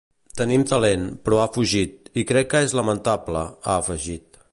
Tenim talent, però ha fugit, i crec que és lamentable, ha afegit.